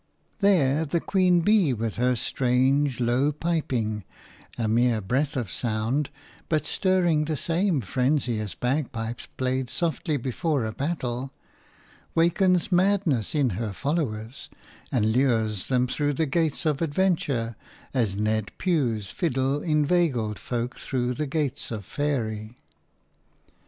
There the queen bee with her strange, low piping – a mere breath of sound, but stirring the same frenzy as bagpipes played softly before a battle – wakens madness in her followers, and lures them through the gates of adventure as Ned Puw's fiddle inveigled folk through the gates of Faery.